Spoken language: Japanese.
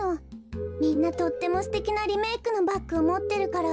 みんなとってもすてきなリメークのバッグをもってるから。